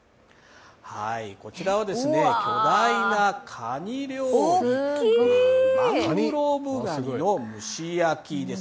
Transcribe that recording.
こちらは巨大なカニ料理、マングローブカニの蒸し焼きです。